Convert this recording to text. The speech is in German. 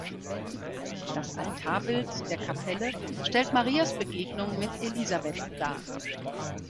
Das Altarbild der Kapelle stellt Marias Begegnung mit Elisabeth dar.